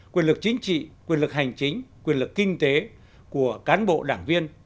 quyền lực chính trị quyền lực hành chính quyền lực kinh tế của cán bộ đảng viên